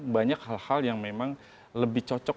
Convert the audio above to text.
banyak hal hal yang memang lebih cocok